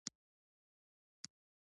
پیشو موږکان نیسي.